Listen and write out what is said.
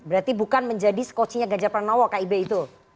berarti bukan menjadi skocinya ganjar pranowo kib itu